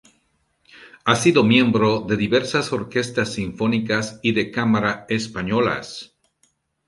Ha sido miembro de diversas orquestas sinfónicas y de cámara españolas.